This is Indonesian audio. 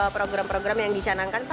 program program yang dicanangkan